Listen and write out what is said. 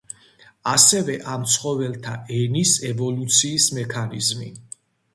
ასევე ამ ცხოველთა ენის ევოლუციის მექანიზმი.